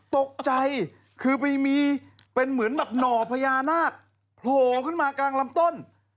ตกใจคือไปมีเป็นเหมือนแบบหน่อพญานาคโผล่ขึ้นมากลางลำต้น